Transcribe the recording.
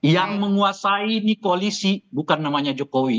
yang menguasai ini koalisi bukan namanya jokowi